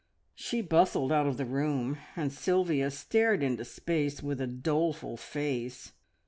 She bustled out of the room, and Sylvia stared into space with a doleful face.